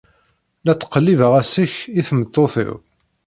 La ttqellibeɣ asek i tmeṭṭut-iw.